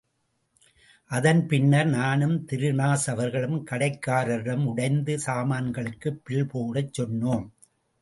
அதன் பின்னர் நானும் திருநாஸ் அவர்களும் கடைக்காரரிடம் உடைந்த சாமான்களுக்கு பில் போடச் சொன்னோம்.